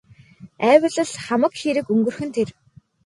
Айвал л хамаг хэрэг өнгөрөх нь тэр.